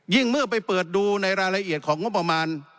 เมื่อไปเปิดดูในรายละเอียดของงบประมาณ